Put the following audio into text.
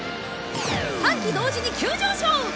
３機同時に急上昇！